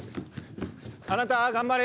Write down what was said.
あなた頑張れ！